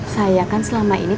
saya kan selama ini